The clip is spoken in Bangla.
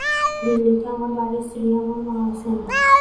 দিল্লিতে আমার বাড়ি, স্ত্রী আর মা আছেন।